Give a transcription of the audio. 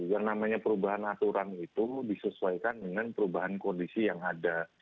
yang namanya perubahan aturan itu disesuaikan dengan perubahan kondisi yang ada